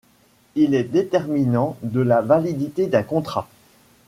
Il est déterminant de la validité d'un contrat.